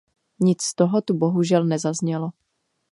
Nic z toho tu bohužel nezaznělo.